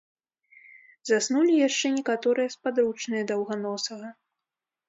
Заснулі яшчэ некаторыя спадручныя даўганосага.